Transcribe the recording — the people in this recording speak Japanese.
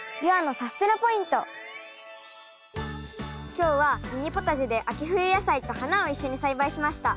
今日はミニポタジェで秋冬野菜と花を一緒に栽培しました。